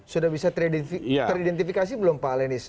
sudah bisa teridentifikasi belum pak lenis